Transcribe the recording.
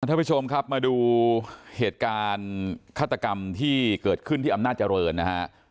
ท่านผู้ชมครับมาดูเหตุการณ์ฆาตกรรมที่เกิดขึ้นที่อำนาจเจริญนะฮะ